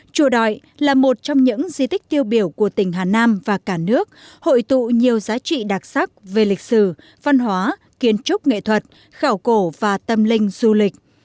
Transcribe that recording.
chùa đọi là một trong những di tích tiêu biểu của tỉnh hà nam và cả nước hội tụ nhiều giá trị đặc sắc về lịch sử văn hóa kiến trúc nghệ thuật khảo cổ và tâm linh du lịch